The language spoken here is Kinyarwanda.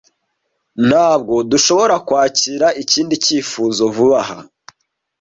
Ntabwo dushobora kwakira ikindi cyifuzo vuba aha.